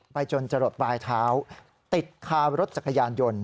จนจะหลดปลายเท้าติดคารถจักรยานยนต์